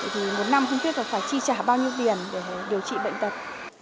thì một năm không biết là phải chi trả bao nhiêu tiền để điều trị bệnh tật